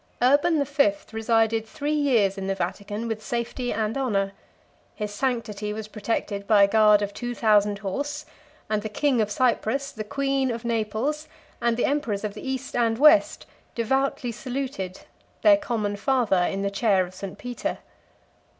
Urban the Fifth resided three years in the Vatican with safety and honor: his sanctity was protected by a guard of two thousand horse; and the king of Cyprus, the queen of Naples, and the emperors of the East and West, devoutly saluted their common father in the chair of St. Peter.